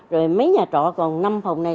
rồi mấy nhà trọ còn năm phòng này